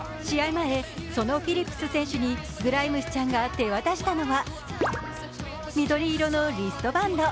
前、そのフィリップス選手にグライムスちゃんが手渡したのは緑色のリストバンド。